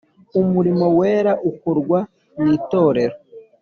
umurimo wera ukorwa mw’itorero.